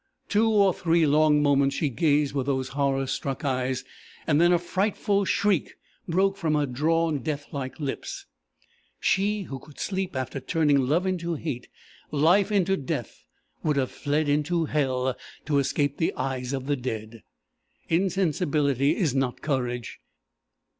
"Two or three long moments she gazed with those horror struck eyes; then a frightful shriek broke from her drawn, death like lips. She who could sleep after turning love into hate, life into death, would have fled into hell to escape the eyes of the dead! Insensibility is not courage.